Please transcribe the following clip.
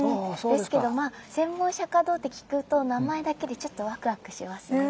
ですけどまあ千本釈堂って聞くと名前だけでちょっとワクワクしますね。